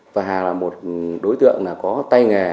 và hà là một đối tượng có tay nghề